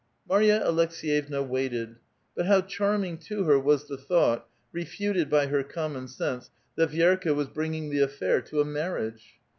Marya Aleks6yevna waited. But how chaiming to her was the thought, refuted by her common sense, that Vi6rka was bringing the affair to a marriage